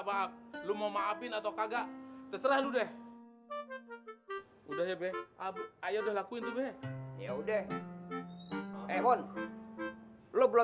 maaf lu mau maafin atau kagak terserah lu deh udah ya be ayo lakuin tuh be ya udah eh on lu belum